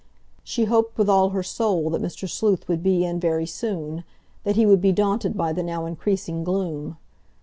She hoped with all her soul that Mr. Sleuth would be in very soon—that he would be daunted by the now increasing gloom.